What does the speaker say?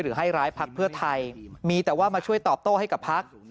ให้ร้ายพักเพื่อไทยมีแต่ว่ามาช่วยตอบโต้ให้กับพัก